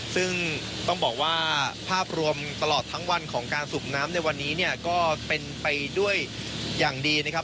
ซึ่งต้องบอกว่าภาพรวมตลอดทั้งวันของการสูบน้ำในวันนี้เนี่ยก็เป็นไปด้วยอย่างดีนะครับ